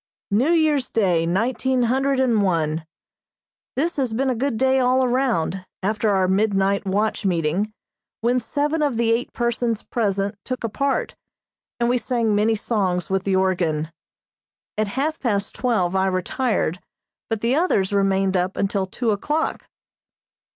New Year's Day, nineteen hundred and one. This has been a good day all around, after our midnight watch meeting, when seven of the eight persons present took a part, and we sang many songs with the organ. At half past twelve I retired, but the others remained up until two o'clock.